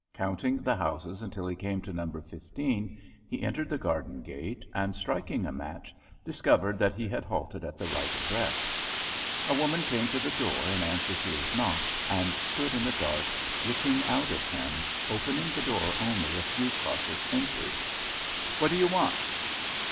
Counting the houses until he came to number fifteen, he entered the garden gate, and, striking a match, discovered that he had halted at the right address. A woman came to the door in answer to his knock, and stood in the dark, looking out at him, opening the door only a few cautious inches. "What do you want?"